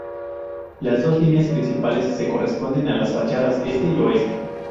Las dos líneas principales se corresponden a las fachadas este y oeste.